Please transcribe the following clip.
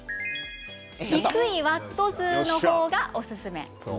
低いワット数の方がおすすめ。